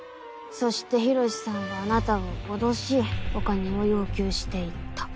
そして洋さんはあなたを脅しお金を要求していた。